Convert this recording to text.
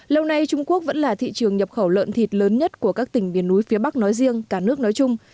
lâu nay trung quốc vẫn là thị trường nhập khẩu lợn thịt lớn nhất của các tỉnh biển núi phía bắc nói riêng cả nước nói chung